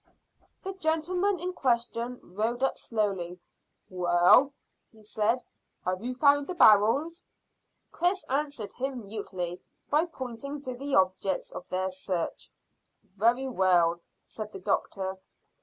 The gentleman in question rode slowly up. "Well," he said, "have you found the barrels?" Chris answered him mutely by pointing to the objects of their search. "Very well," said the doctor.